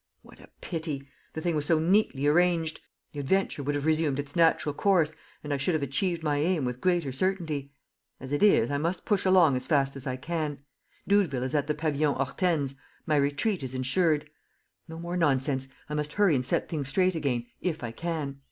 "What a pity! The thing was so neatly arranged! The adventure would have resumed its natural course, and I should have achieved my aim with greater certainty. ... As it is, I must push along as fast as I can. ... Doudeville is at the Pavillon Hortense. ... My retreat is insured. ... No more nonsense. ... I must hurry and set things straight again, if I can.